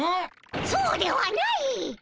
そうではないっ！